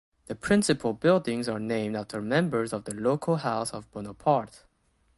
The principal buildings are named after members of the local House of Bonaparte.